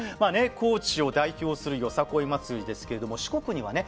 高知を代表するよさこい祭りですけれども四国にはね